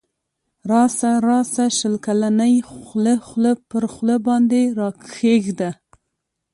راسه راسه شل کلنی خوله خوله پر خوله باندی راکښېږده